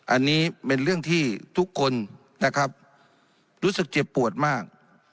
อันนี้เป็นเรื่องที่ทุกคนนะครับรู้สึกเจ็บปวดมาก